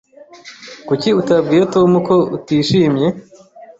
Kuki utabwiye Tom ko utishimye?